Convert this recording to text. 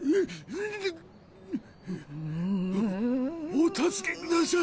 お助けください。